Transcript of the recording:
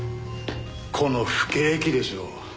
この不景気でしょう？